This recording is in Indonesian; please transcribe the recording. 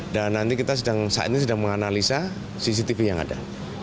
dan nanti kita saat ini sedang menganalisa cctv yang ada